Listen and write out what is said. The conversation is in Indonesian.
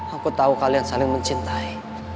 aku tahu kalian saling mencintai